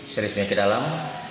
serius menyakit alam